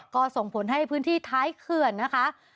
ก็ส่งผลให้พื้นที่ท้ายเขื่อนนะคะ